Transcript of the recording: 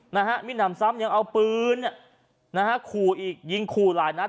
นะฮะมิดหนำซ้ำยังเอาปืนเนี่ยนะฮะขู่อีกยิงขู่หลายนัด